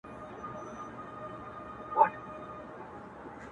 گراني دا هيله كوم ـ